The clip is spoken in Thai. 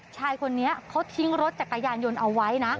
ชายคนนี้เขาทิ้งรถจักรยานยนต์เอาไว้นะ